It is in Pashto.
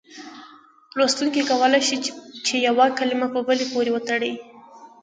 لوستونکی کولای شي چې یوه کلمه په بلې پورې وتړي.